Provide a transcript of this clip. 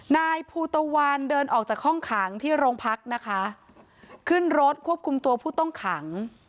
นายภูตะวันเดินออกจากห้องขังที่โรงพักนะคะขึ้นรถควบคุมตัวผู้ต้องขัง